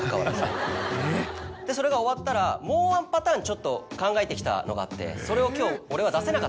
それが終わったら「もうワンパターン考えてきたのがあってそれを今日俺は出せなかった。